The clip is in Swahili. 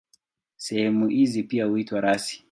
Sehemu hizi pia huitwa rasi.